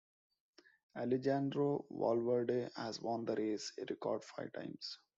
Alejandro Valverde has won the race a record five times.